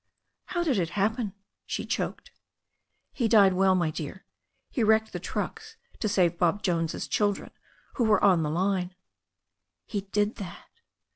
"How did it happen?" she choked. "He died well, my dear. He wrecked the trucks to save Bob Jones's children who were on the line." "He did that!"